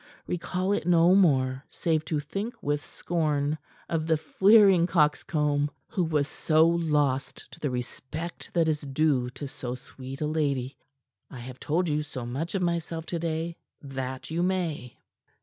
Recall it no more, save to think with scorn of the fleering coxcomb who was so lost to the respect that is due to so sweet a lady. I have told you so much of myself to day that you may."